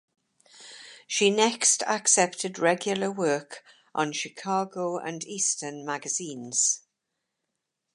She next accepted regular work on Chicago and Eastern magazines.